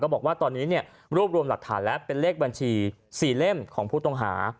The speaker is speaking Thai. บอกว่าตอนนี้รวบรวมหลักฐานแล้วเป็นเลขบัญชี๔เล่มของผู้ต้องหา